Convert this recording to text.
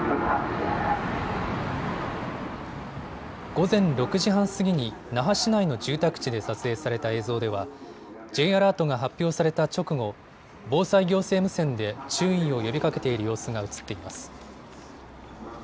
午前６時半過ぎに那覇市内の住宅地で撮影された映像ではＪアラートが発表された直後、防災行政無線で注意を呼びかけている様子が映っています。